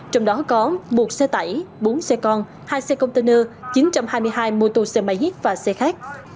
trong đó có một xe tải bốn xe con hai xe container chín trăm hai mươi hai mô tô xe máy hec và xe khác